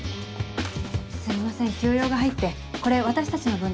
すいません急用が入ってこれ私たちの分です。